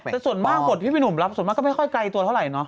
แต่ส่วนมากกดพี่บินุมรับส่วนมากก็ไม่ค่อยไกลตัวเท่าไร